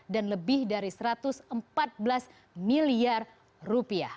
dan lebih dari satu ratus empat belas miliar rupiah